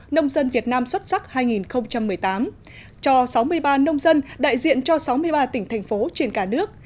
nông dân việt nam xuất sắc hai nghìn một mươi tám cho sáu mươi ba nông dân đại diện cho sáu mươi ba tỉnh thành phố trên cả nước